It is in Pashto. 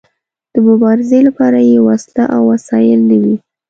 د مبارزې لپاره يې وسله او وسايل نه وي.